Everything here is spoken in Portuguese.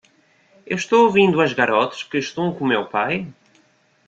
Estou ouvindo as garotas, que estão com o meu pai?